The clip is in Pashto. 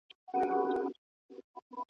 سياست پوهنه د بشري پوهې يوه غوره بېلګه ده.